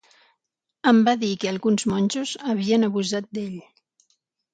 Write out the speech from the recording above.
Em va dir que alguns monjos havien abusat d'ell.